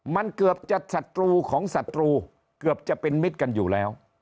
มันเกือบจะศัตรูของศัตรูเกือบจะเป็นมิตรกันอยู่แล้ว